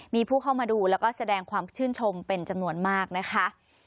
มีผู้เข้ามาดูแล้วก็แสดงความชื่นชมเป็นจำนวนมากนะคะ